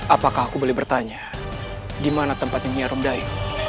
apakah aku boleh bertanya di mana tempat ini armdai